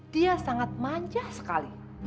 dia sangat manja sekali